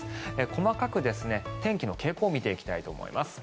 細かく天気の傾向を見ていきたいと思います。